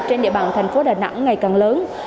các doanh nghiệp trên địa bàn thành phố đà nẵng ngày càng lớn